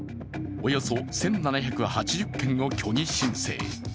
およそ１７８０件を虚偽申請。